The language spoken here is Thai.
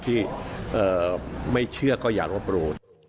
ที่ไม่เชื่อก็อย่ารบรู้